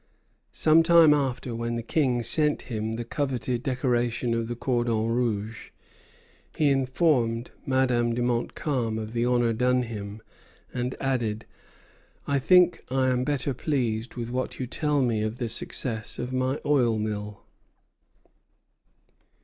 Some time after, when the King sent him the coveted decoration of the cordon rouge, he informed Madame de Montcalm of the honor done him, and added: "But I think I am better pleased with what you tell me of the success of my oil mill."